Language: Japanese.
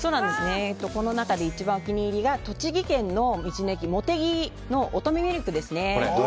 この中で一番お気に入りが栃木県の道の駅もてぎのおとめミルクですね。